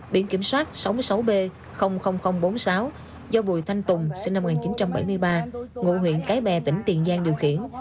biển kiểm soát sáu mươi sáu b bốn mươi sáu do bùi thanh tùng sinh năm một nghìn chín trăm bảy mươi ba ngụ huyện cái bè tỉnh tiền giang điều khiển